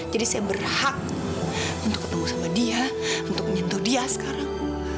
jadi saya berhak untuk ketemu sama dia untuk nyuntuh dia sekarang